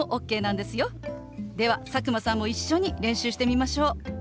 では佐久間さんも一緒に練習してみましょう。